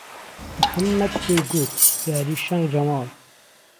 محەممەد پێی گوت یاری شهنگ جهماڵ